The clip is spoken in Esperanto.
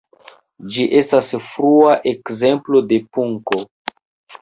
Ĝi estas frua ekzemplo de punko.